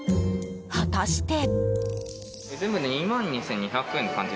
果たして。